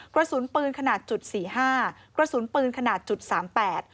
กระสุนปืนขนาดจุดสี่ห้ากระสุนปืนขนาดจุดสามแปด